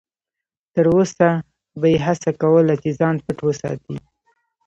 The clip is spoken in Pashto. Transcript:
تر وسه به یې هڅه کوله چې ځان پټ وساتي.